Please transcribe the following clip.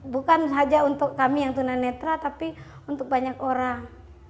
bukan saja untuk kami yang tunanetra tapi untuk banyak orang